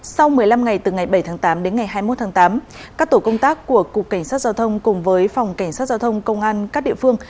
sau một mươi năm ngày từ ngày bảy tháng tám đến ngày hai mươi một tháng tám các tổ công tác của cục cảnh sát giao thông cùng với phòng cảnh sát giao thông công an các địa phương